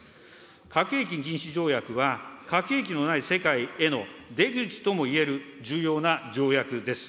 核兵器禁止条約は、核兵器のない世界への出口ともいえる重要な条約です。